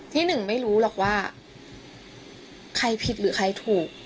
ที่หนึ่งไม่รู้หรอกว่าใครผิดหรือใครถูก